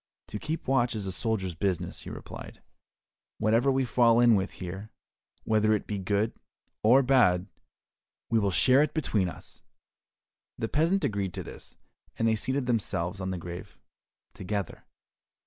"To keep watch is a soldier's business," he replied, "whatever we fall in with here, whether it be good or bad, we will share it between us." The peasant agreed to this, and they seated themselves on the grave together.